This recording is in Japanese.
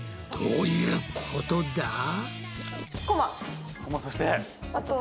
どういうことだ？